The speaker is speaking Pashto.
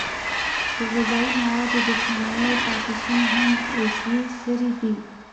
د غذایي موادو د صنایعو پاتې شونې هم عضوي سرې دي.